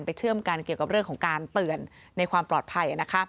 เชื่อมกันเกี่ยวกับเรื่องของการเตือนในความปลอดภัย